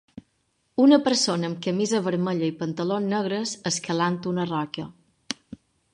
Una persona amb camisa vermella i pantalons negres escalant una roca.